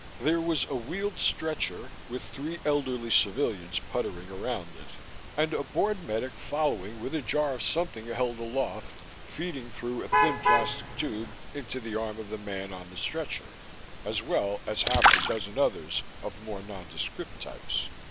There was a wheeled stretcher, with three elderly civilians puttering around it, and a bored medic following with a jar of something held aloft, feeding through a thin plastic tube into the arm of the man on the stretcher, as well as half a dozen others of more nondescript types.